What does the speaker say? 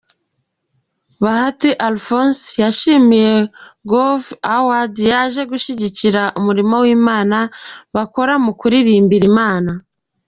Bahati Alphonse yashimiye Groove Awards yaje gushyigikira umurimo w'Imana bakora mu kuririmbira Imana.